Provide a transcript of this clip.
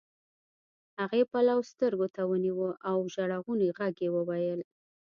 هغې پلو سترګو ته ونيوه او په ژړغوني غږ يې وويل.